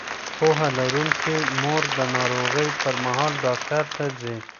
پوهه لرونکې مور د ناروغۍ پر مهال ډاکټر ته ځي.